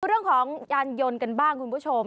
เรื่องของยานยนต์กันบ้างคุณผู้ชม